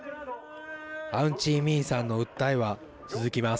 アウンチーミィンさんの訴えは続きます。